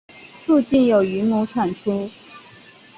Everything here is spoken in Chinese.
附近有云母产出。